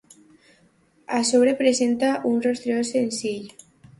A sobre presenta un rosetó senzill.